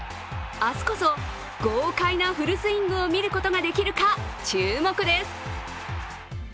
明日こそ豪快なフルスイングを見ることができるか注目です。